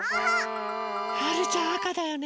はるちゃんあかだよね。